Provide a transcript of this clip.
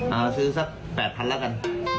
เอาซื้อสัก๘๐๐๐แล้วกัน